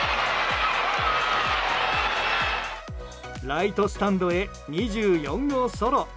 ライトスタンドへ２４号ソロ。